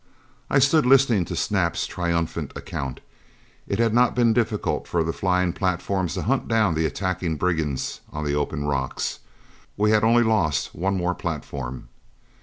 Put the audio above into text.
I stood listening to Snap's triumphant account. It had not been difficult for the flying platforms to hunt down the attacking brigands on the open rocks. We had only lost one more platform.